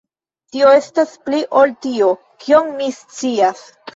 Tio estas pli ol tio, kion mi sciis.